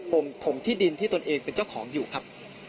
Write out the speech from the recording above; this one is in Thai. ผมถมที่ดินที่ตนเองเป็นเจ้าของอยู่ครับ